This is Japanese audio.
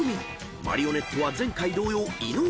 マリオネットは前回同様伊野尾。